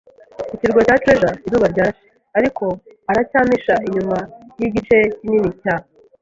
Ikirwa cya Treasure. Izuba ryarashe ariko aracyampisha inyuma y igice kinini cya